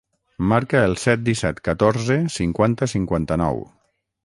Marca el set, disset, catorze, cinquanta, cinquanta-nou.